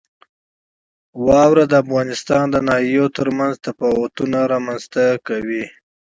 واوره د افغانستان د ناحیو ترمنځ تفاوتونه رامنځ ته کوي.